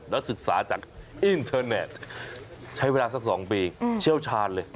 นักศึกษาจากอินเทอร์เน็ตใช้เวลาสัก๒ปีเชี่ยวชาญเลย